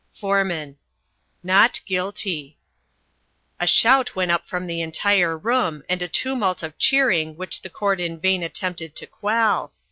Foreman. "NOT GUILTY." A shout went up from the entire room and a tumult of cheering which the court in vain attempted to quell.